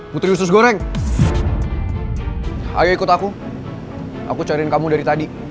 putri usus goreng ayo ikut aku aku cariin kamu dari tadi